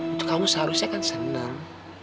itu kamu seharusnya kan senang